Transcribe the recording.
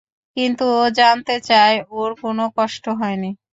কিন্তু ও জানাতে চায়, ওর কোনো কষ্ট হয়নি।